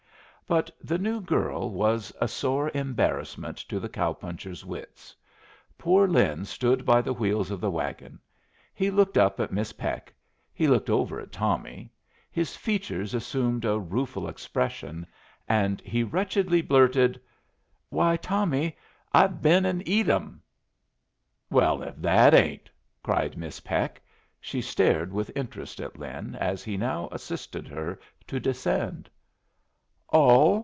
But the new girl was a sore embarrassment to the cow puncher's wits. Poor Lin stood by the wheels of the wagon. He looked up at Miss Peck, he looked over at Tommy, his features assumed a rueful expression, and he wretchedly blurted, "Why, Tommy, I've been and eat 'em." "Well, if that ain't!" cried Miss Peck. She stared with interest at Lin as he now assisted her to descend. "All?"